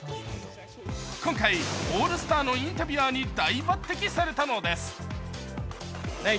今回、オールスターのインタビュアーに大抜擢されたのです。